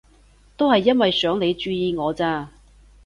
都係因為想你注意我咋